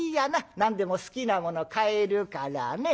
何でも好きなもの買えるからね。